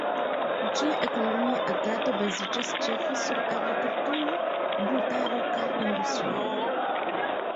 Ĝia ekonomia agado baziĝas ĉefe sur agrikulturo, brutaro kaj industrio.